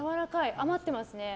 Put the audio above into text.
余ってますね。